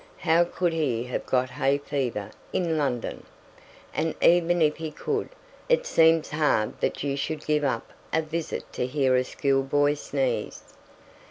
How could he have got hay fever in London? and even if he could, it seems hard that you should give up a visit to hear a schoolboy sneeze.